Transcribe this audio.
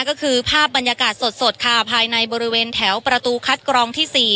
ก็คือภาพบรรยากาศสดค่ะภายในบริเวณแถวประตูคัดกรองที่๔